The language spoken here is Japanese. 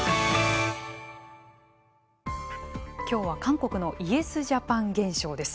今日は韓国のイエスジャパン現象です。